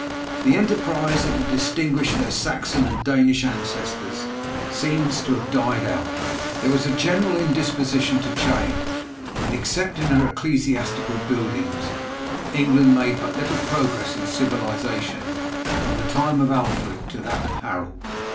The enterprise that had distinguished their Saxon and Danish ancestors seems to have died out. There was a general indisposition to change, and except in her ecclesiastical buildings, England made but little progress in civilization from the time of Alfred to that of Harold.